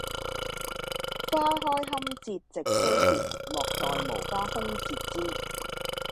花開堪折直須折，莫待無花空折枝！